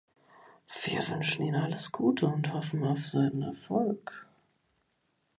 Wir wünschen ihm alles Gute und hoffen auf seinen Erfolg.